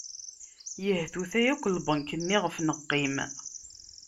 Yehtuta yakk lbenk-nni iɣef neqqim.